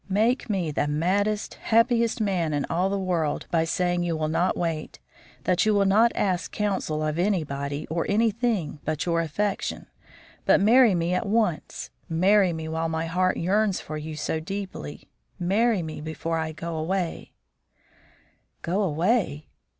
Make me the maddest, happiest man in all the world by saying you will not wait; that you will not ask counsel of anybody or anything but your affection, but marry me at once; marry me while my heart yearns for you so deeply; marry me before I go away " "Go away?"